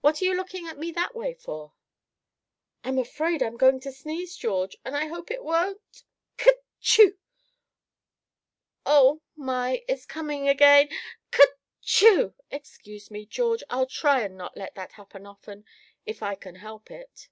What are you looking at me that way for?" "I'm afraid I'm going to sneeze, George, and I hope it won't ker chew! oh! my, it's coming again, ker chew! Excuse me, George. I'll try and not let that happen often, if I can help it."